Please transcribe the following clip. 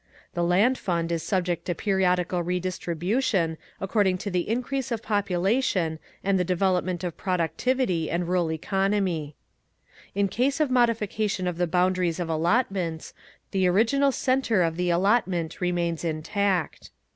The Land Fund is subject to periodical redistribution according to the increase of population and the development of productivity and rural economy. In case of modification of the boundaries of allotments, the original centre of the allotment remains intact.